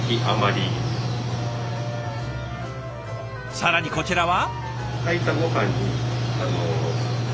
更にこちらは。